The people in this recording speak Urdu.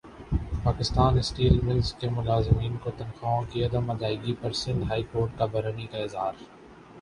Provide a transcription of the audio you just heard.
پاکستان اسٹیلز ملزملازمین کو تنخواہوں کی عدم ادائیگی پرسندھ ہائی کورٹ کا برہمی کااظہار